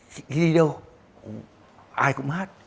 khi đi đâu ai cũng hát